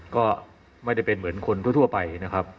ก็ไม่ได้เป็นเหมือนคนทั่วไปนะครับ